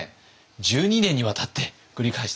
１２年にわたって繰り返した。